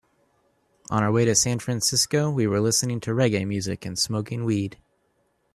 On our way to San Francisco, we were listening to reggae music and smoking weed.